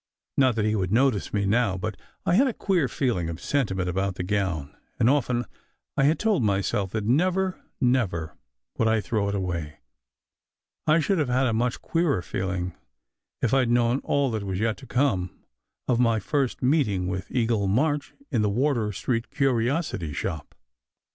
Not that he would notice me now ! But I had a queer feeling of sentiment about the gown, and often I had told myself that never, never would I throw it away. I should have had a much queerer feeling if I d known all that was yet to come of my first meeting with Eagle March in the Wardour Street curiosity shop.